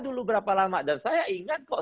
dulu berapa lama dan saya ingat kok